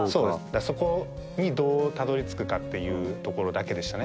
そこにどうたどり着くかっていうところだけでしたね。